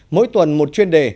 mỗi tuần một chuyên đề